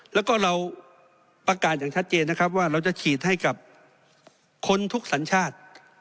แล้วก็เราประกาศอย่างชัดเจนนะครับว่าเราจะฉีดให้กับคนทุกสัญชาติ